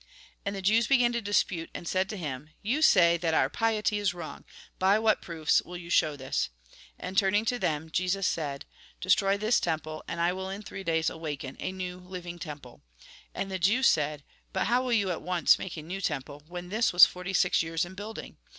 And the Jews began to dispute, and said to him :" You say that our piety is wrong. By what proofs will you show this ?" And, turning to them, Jesus said :" Destroy this temple and I will in three days awaken a new, living temple." And the Jews said :" But how will you at once make a new temple, when this was forty six years in building